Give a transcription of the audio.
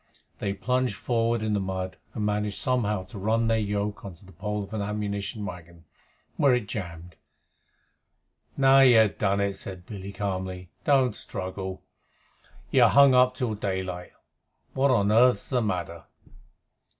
They plunged forward in the mud, and managed somehow to run their yoke on the pole of an ammunition wagon, where it jammed. "Now you have done it," said Billy calmly. "Don't struggle. You're hung up till daylight. What on earth's the matter?"